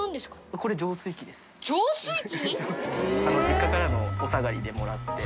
実家からのお下がりでもらって。